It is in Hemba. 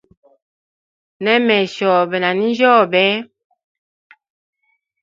Nemeya shobe na ninjyobe.